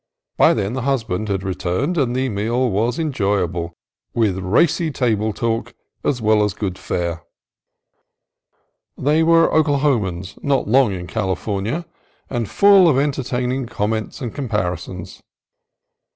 By then the husband had re turned, and the meal was enjoyable with racy table talk as well as with good fare. They were Oklaho mans, not long in California, and full of entertaining comments and comparisons.